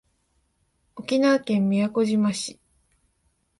沖縄県宮古島市